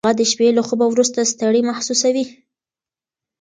هغه د شپې له خوبه وروسته ستړی محسوسوي.